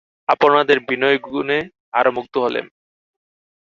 আপনাদের বিনয়গুণে আরো মুগ্ধ হলেম।